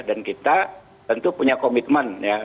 dan kita tentu punya komitmen ya